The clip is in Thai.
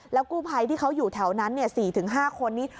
กู้ภัยที่เขาอยู่แถวนั้น๔๕คนนี้